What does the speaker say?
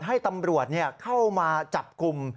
ให้ตำรวจเข้ามาจับกลุ่ม